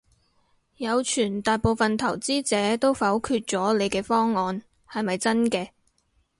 有傳大部份投資者都否決咗你嘅方案，係咪真嘅？